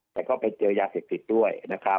แต่ก็ไปเจอยาเศรษฐศิลป์ด้วย